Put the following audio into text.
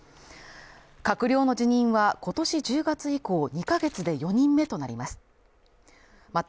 閣僚の辞任はことし１０月以降２か月で４人目となります